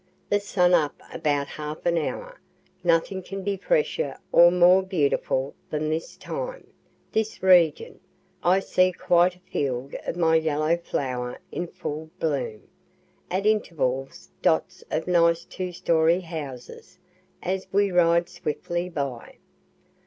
The sun up about half an hour; nothing can be fresher or more beautiful than this time, this region. I see quite a field of my yellow flower in full bloom. At intervals dots of nice two story houses, as we ride swiftly by.